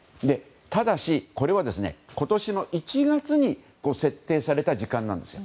ただし、これは今年１月に設定された時間なんです。